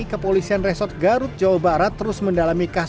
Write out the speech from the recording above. kepolisian resor garut jawa barat terus mendalami kakitangan